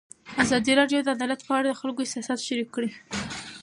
ازادي راډیو د عدالت په اړه د خلکو احساسات شریک کړي.